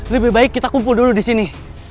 lebih baik kita kumpul dulu disini